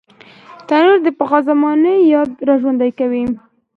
تنور د پخوا زمانې یاد راژوندي کوي